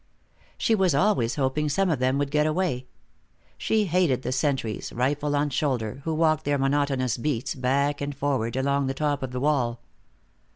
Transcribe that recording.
She was always hoping some of them would get away. She hated the sentries, rifle on shoulder, who walked their monotonous beats, back and forward, along the top of the wall.